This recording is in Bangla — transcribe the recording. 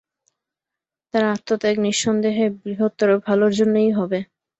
তার আত্মত্যাগ, নিঃসন্দেহে বৃহত্তর ভালোর জন্যই হবে।